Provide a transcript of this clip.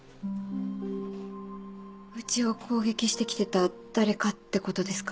うちを攻撃して来てた誰かってことですか？